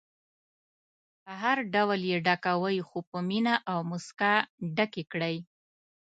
هر ډول یې ډکوئ خو په مینه او موسکا ډکې کړئ.